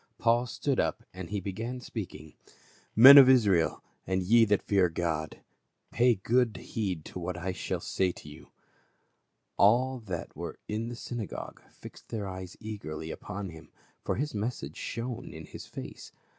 Paul stood up and began to speak. A LIGHT OF THE GENTILES. 285 " Men of Israel, and ye that fear God, pay good heed to what I shall say to you." All that were in the synagogue fixed their eyes eagerly upon him, for his message shone in his face.